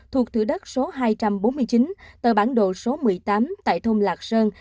thuộc thử đất số hai trăm bốn mươi chín tờ bản đồ số một mươi tám tại thôn lạc sơn